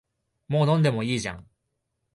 もう飲んでもいいじゃん